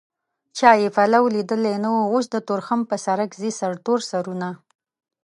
چا يې پلو ليدلی نه و اوس د تورخم په سرک ځي سرتور سرونه